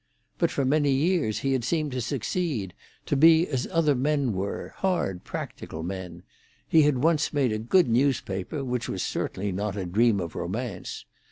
But for many years he had seemed to succeed, to be as other men were, hard, practical men; he had once made a good newspaper, which was certainly not a dream of romance.